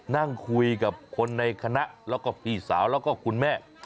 นั่งคุยกับคนในคณะแล้วก็พี่สาวแล้วก็คุณแม่